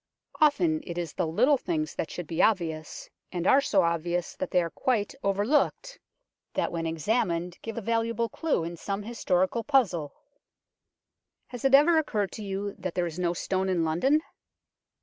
Often it is the little things that should be obvious, and are so obvious that they are quite overlooked, that when examined give a valuable clue in some historical puzzle. Has it ever occurred to you that there is no stone in London